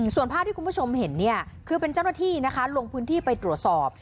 ส่วนภาพที่คุณผู้ชมเห็นเนี่ยคือเป็นเจ้าหน้าที่นะคะลงพื้นที่ไปตรวจสอบ